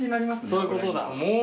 そういうことだ。